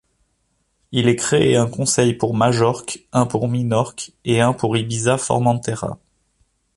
Il est créé un conseil pour Majorque, un pour Minorque et un pour Ibiza-Formentera.